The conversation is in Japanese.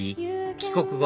帰国後